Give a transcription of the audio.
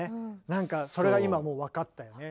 なんかそれが今もう分かったよね。